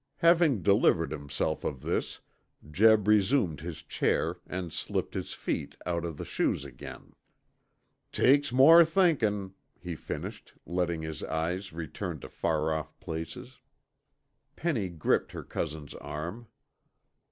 Having delivered himself of this, Jeb resumed his chair and slipped his feet out of the shoes again. "Take's more thinkin'," he finished, letting his eyes return to far off places. Penny gripped her cousin's arm.